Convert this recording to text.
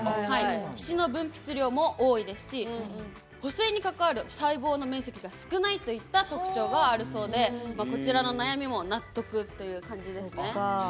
皮脂の分泌量も多いですし保水に関わる細胞の面積が少ないといった特徴があるそうでこちらの悩みも納得という感じですね。